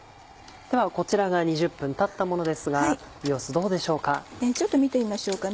ではこちらが２０分たったものですが様子どうでしょうか？